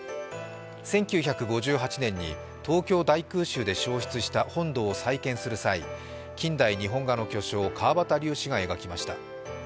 １９５８年に、東京大空襲で焼失した本堂を再建する際、近代日本画の巨匠・川端龍子が描きました。